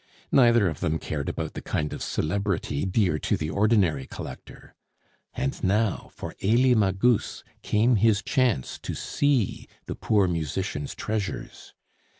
Neither of them cared about the kind of celebrity dear to the ordinary collector. And now for Elie Magus came his chance to see the poor musician's treasures!